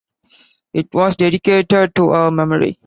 It was dedicated to her memory.